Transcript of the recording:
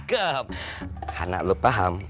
karena lu paham